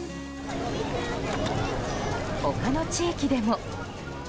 他の地域でも。